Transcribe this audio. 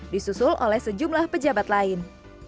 disusul oleh sejumlah pejabat lain